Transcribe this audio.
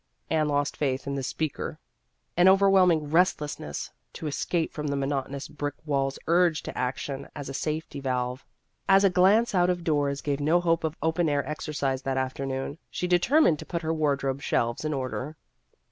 Anne lost faith in the speaker. An overwhelming restless ness to escape from the monotonous brick walls urged to action as a safety valve. As a glance out of doors gave no hope of open air exercise that afternoon, she determined to put her wardrobe shelves in order.